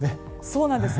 そうなんです。